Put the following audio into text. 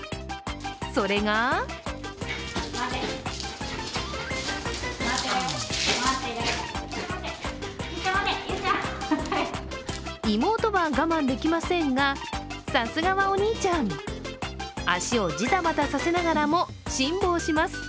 それが妹は我慢できませんが、さすがはお兄ちゃん、足をジタバタさせながらも辛抱します。